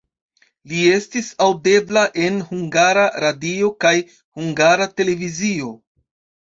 Li estis aŭdebla en Hungara Radio kaj Hungara Televizio.